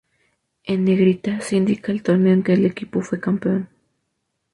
En negrita, se indica el torneo en que el equipo fue campeón.